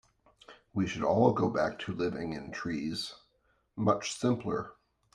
We should all go back to living in the trees, much simpler.